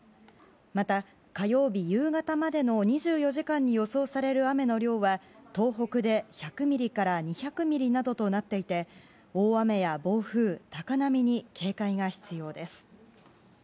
また、火曜日夕方までの２４時間に予想される雨の量は東北で１００ミリから２００ミリなどとなっていて大雨や暴風、高波に警戒が必要です。